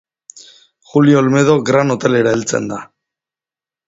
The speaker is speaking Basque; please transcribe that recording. Julio Olmedo Gran Hotelera heltzen da.